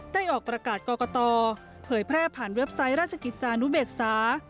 ออกประกาศกรกตเผยแพร่ผ่านเว็บไซต์ราชกิจจานุเบกษา